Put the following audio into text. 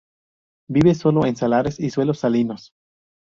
Vive sólo en saladares, y suelos salinos.